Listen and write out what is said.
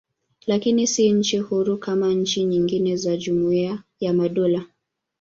Lakini si nchi huru kama nchi nyingine za Jumuiya ya Madola.